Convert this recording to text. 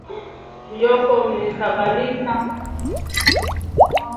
Kisu kya ku menya nakyo myoko kinalabika